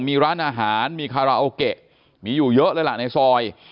มีร้านอาหารมีคาราโอเกะมีอยู่เยอะเลยล่ะในซอย